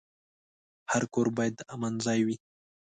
هر کور باید د امن ځای وي.